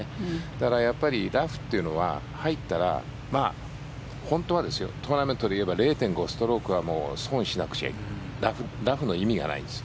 だから、ラフというのは入ったら本当はトーナメントでいえば０．５ストロークは損しなくちゃラフの意味がないです。